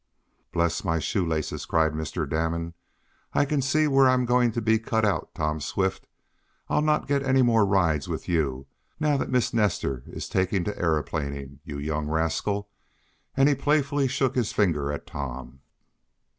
"Bless my shoelaces!" cried Mr. Damon. "I can see where I am going to be cut out, Tom Swift. I'll not get many more rides with you now that Miss Nestor is taking to aeroplaning, you young rascal!" And he playfully shook his finger at Tom.